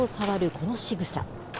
このしぐさ。